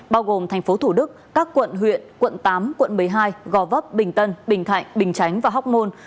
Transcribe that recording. bao gồm thành phố thủ đức các quận huyện quận tám quận một mươi hai gò vấp bình tân bình thạnh bình chánh và hóc môn